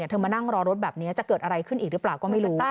เธอมานั่งรอรถแบบนี้จะเกิดอะไรขึ้นอีกหรือเปล่าก็ไม่รู้